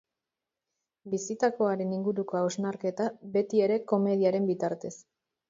Bizitakoaren inguruko hausnarketa, beti ere komediaren bitartez.